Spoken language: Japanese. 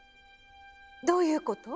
どういうこと？